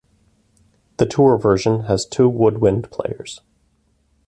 The tour version has two woodwind players.